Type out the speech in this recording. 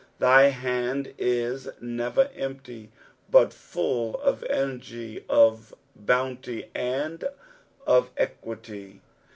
Thy hand is never empty, but full of energy, of bounty, and of equity.